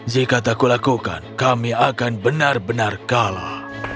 jika tak kulakukan kami akan benar benar kalah